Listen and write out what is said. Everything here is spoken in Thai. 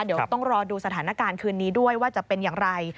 เดี๋ยวต้องรอดูสถานการณ์คืนนี้ด้วยว่าจะเป็นอย่างไร